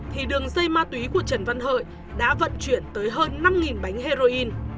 thì đường dây ma túy của trần văn hợi đã vận chuyển tới hơn năm bánh heroin